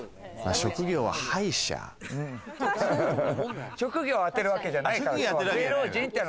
職業を当てるわけじゃないの。